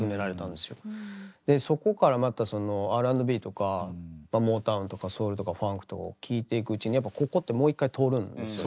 でそこからまたそのＲ＆Ｂとかまモータウンとかソウルとかファンクとかを聴いていくうちにやっぱここってもう一回通るんですよね。